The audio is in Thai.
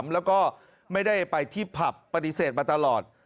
แล้วก็ไม่ได้ไปที่ผับปฏิเสธมาตลอด